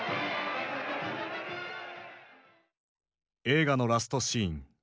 映画のラストシーン。